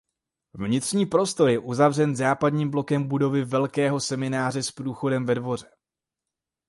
Vnitřní prostor je uzavřen západním blokem budovy Velkého semináře s průchodem ve dvoře.